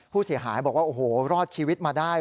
ผู้เสียหายบอกว่าโอ้โหรอดชีวิตมาได้